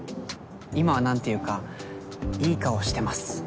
今は何ていうかいい顔してます。